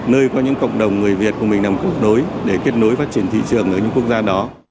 nơi có những cộng đồng người việt của mình nằm cột đối để kết nối phát triển thị trường ở những quốc gia đó